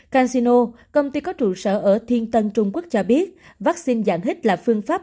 casino công ty có trụ sở ở thiên tân trung quốc cho biết vaccine dạng hít là phương pháp